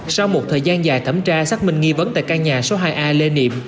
sau một thời gian dài thẩm tra xác minh nghi vấn tại căn nhà số hai a lê niệm